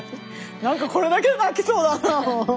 何かこれだけで泣きそうだなもう。